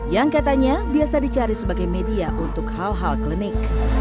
yang katanya biasa dicari sebagai media untuk hal hal klinik